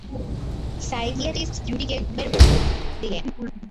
Psychiatrist জুডিকে ঘুমের অষুধ দিলেন।